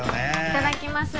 いただきます